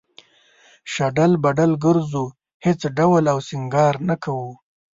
شډل بډل گرځو هېڅ ډول او سينگار نۀ کوو